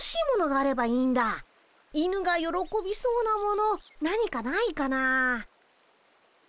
犬がよろこびそうなもの何かないかな。